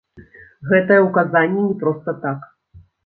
Гэтае ўказанне не проста так.